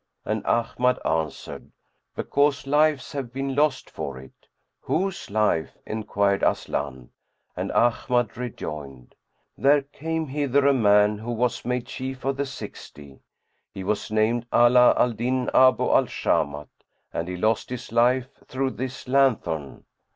and Ahmad answered, "Because lives have been lost for it." "Whose life?" enquired Aslan; and Ahmad rejoined, "There came hither a man who was made Chief of the Sixty; he was named Ala al Din Abu al Shamat and he lost his life through this lanthorn."